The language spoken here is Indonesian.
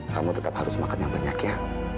kamu tetap harus makan yang banyak ya